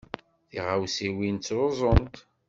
Tiɣawsiwin ttruẓunt.